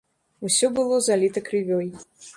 Усё было заліта крывёй.